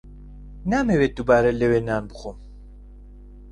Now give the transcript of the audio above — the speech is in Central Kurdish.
نامەوێت دووبارە لەوێ نان بخۆم.